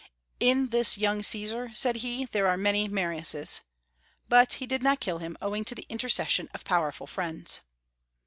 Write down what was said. "In this young Caesar," said he, "there are many Mariuses;" but he did not kill him, owing to the intercession of powerful friends.